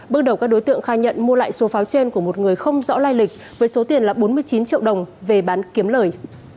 bước đầu các đối tượng khai nhận mua lại số pháo trên của một người không rõ lai lịch với số tiền là bốn mươi chín triệu đồng về bán kiếm lời